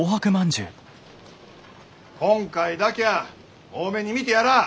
今回だきゃあ大目に見てやらあ。